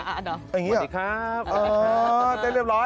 อ่าอ่าอ่าดออย่างงี้หรอสวัสดีครับอ๋อเต้นเรียบร้อย